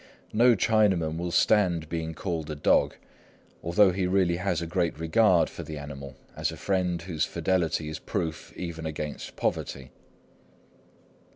No Chinaman will stand being called a dog, although he really has a great regard for the animal, as a friend whose fidelity is proof even against poverty.